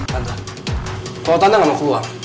tante kalau tante gak mau keluar